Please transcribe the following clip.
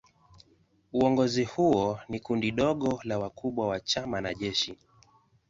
Uongozi huo ni kundi dogo la wakubwa wa chama na jeshi.